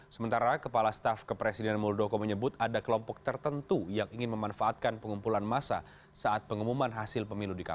sementara kepala staf kepresiden muldoko menyebut ada kelompok tertentu yang ingin memanfaatkan pengumpulan massa saat pengumuman hasil pemilu di kpk